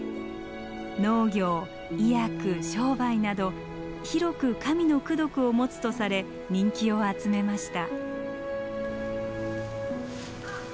農業医薬商売など広く神の功徳を持つとされ人気を集めました。